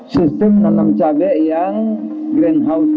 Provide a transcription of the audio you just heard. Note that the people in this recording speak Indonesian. sistem nanam cabai yang greenhouse